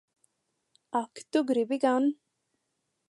Ak tu gribi gan!